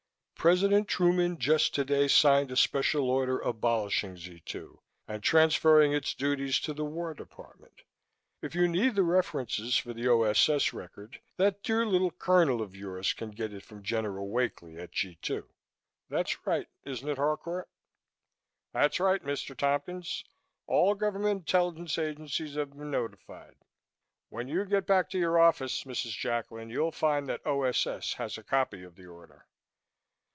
"President Truman just today signed a special order abolishing Z 2 and transferring its duties to the War Department. If you need the references for the O.S.S. record that dear little colonel of yours can get it from General Wakely at G 2. That's right, isn't it, Harcourt?" "That's right, Mr. Tompkins. All government intelligence agencies have been notified. When you get back to your office, Mrs. Jacklin, you'll find that O.S.S. has a copy of the order."